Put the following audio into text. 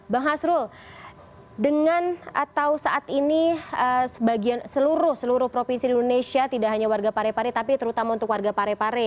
bang hasrul dengan atau saat ini seluruh provinsi di indonesia tidak hanya warga parepare tapi terutama untuk warga parepare